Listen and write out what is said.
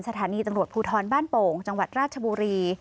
สถานีตำรวจภูทรบ้านโป่งจังหวัดราชบุรี